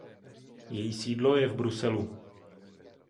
Její sídlo je v Bruselu.